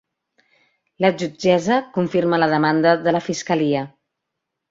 La jutgessa confirma la demanda de la fiscalia